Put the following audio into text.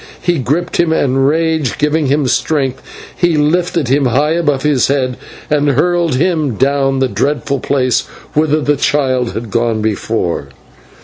He gripped him, and, rage giving him strength, he lifted him high above his head and hurled him down the dreadful place whither the child had gone before.